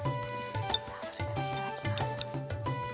さあそれではいただきます。